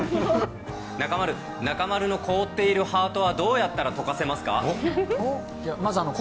中丸、中丸の凍っているハートはどうやったら溶かせますか？